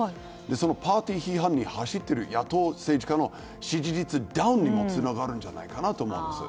そのパーティー批判に走っている野党政治家の支持率のダウンにもつながるんじゃないかと思います。